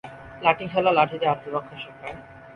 লাঠি খেলা লাঠি দিয়ে আত্মরক্ষা শেখায়।